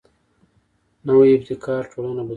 نوی ابتکار ټولنه بدلوي